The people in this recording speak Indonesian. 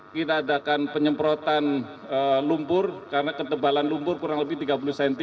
kita adakan penyemprotan lumpur karena ketebalan lumpur kurang lebih tiga puluh cm